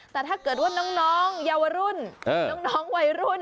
แต่ถ้าเกิดว่าน้องเยาวรุ่นน้องวัยรุ่น